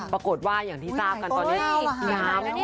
ปรากฏว่าอย่างที่ทราบกันตอนนี้